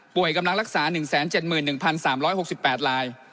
กำลังรักษา๑๗๑๓๖๘ราย